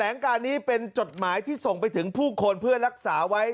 การนี้เป็นจดหมายที่ส่งไปถึงผู้คนเพื่อรักษาไว้